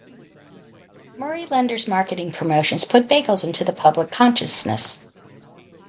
Murray Lender's marketing promotions put bagels into the public consciousness.